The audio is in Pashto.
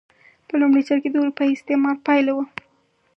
په لومړي سر کې د اروپايي استعمار پایله وه.